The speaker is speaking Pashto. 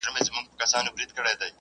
درانه وزن پورته کول انرژي مصرفوي.